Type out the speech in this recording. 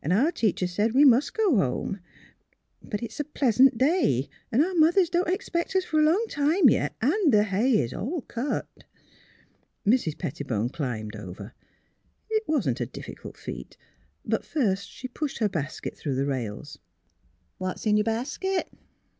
Our teacher said we must go home. But it is a plea'sant day. Our moth ers don't expect us for a long time yet, and the hay is all cut. '' Mrs. Pettibone climbed over; it was not a diffi cult feat. But first she pushed her basket through the rails. " What is in your basket?